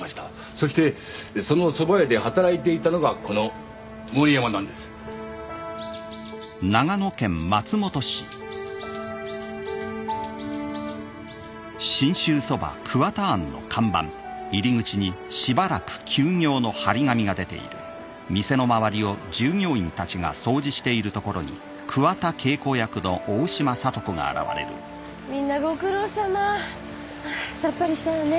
そしてそのそば屋で働いていたのがこの森山なんですみんなご苦労さまさっぱりしたわね